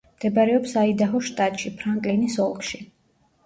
მდებარეობს აიდაჰოს შტატში, ფრანკლინის ოლქში.